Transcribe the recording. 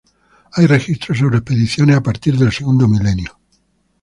Hay registros sobre expediciones a partir del segundo milenio a.